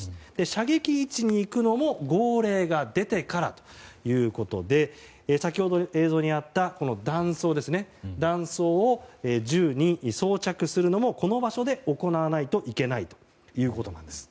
射撃位置に行くのも号令が出てからということで先ほど、映像にあった弾倉を銃に装着するのもこの場所で行わないといけないということです。